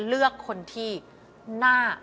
เลือกคนที่น่า